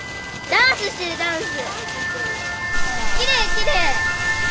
きれいきれい。